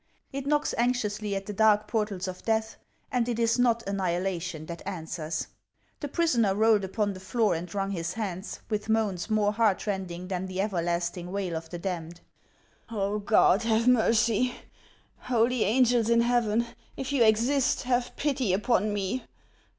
It knocks anxiously at the dark portals of death ; and it is not annihilation that answers. The prisoner rolled upon the floor and wrung his hands, with moans more heart rending than the everlasting wail of the damned. " God have mercy I Holy angels in heaven, if you exist, have pity upon me